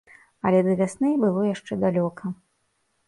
Але да вясны было яшчэ далёка.